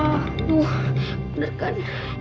tuh bener kan